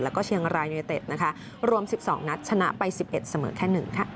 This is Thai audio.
แล้วก็เชียงรายโนยเตศรวม๑๒นัดชนะไป๑๑เสมอแค่๑